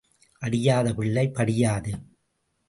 அடியாத பிள்ளை படியாது.